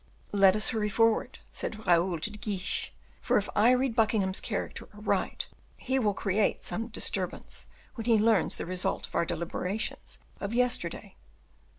"Let us hurry forward," said Raoul to De Guiche, "for if I read Buckingham's character aright, he will create some disturbance, when he learns the result of our deliberations of yesterday."